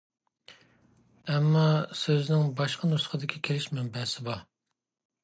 ئەمما سۆزنىڭ باشقا نۇسخىدىكى كېلىش مەنبەسى بار.